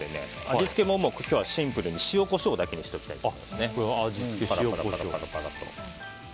味付けも今日はシンプルに塩、コショウだけにしたいと思います。